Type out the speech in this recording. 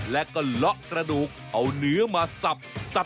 และก็เลาะกระดูกเอาเนื้อมาสับ